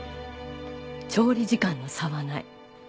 調理時間の差はない。